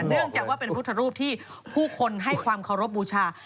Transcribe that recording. เนื่องจากว่าเป็นพุทธรูปที่ผู้คนให้ความเคารพบูชา